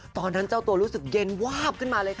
ตอนนั้นเจ้าตัวรู้สึกเย็นวาบ